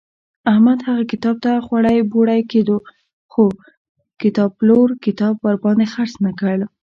احمد هغه کتاب ته خوړی بوړی کېدو خو کتابپلور کتاب ورباندې خرڅ نه کړ.